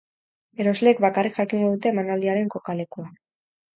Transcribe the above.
Erosleek bakarrik jakingo dute emanaldiaren kokalekua.